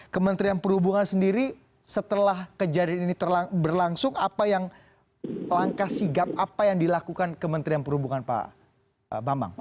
kementerian perhubungan sendiri setelah kejadian ini berlangsung apa yang langkah sigap apa yang dilakukan kementerian perhubungan pak bambang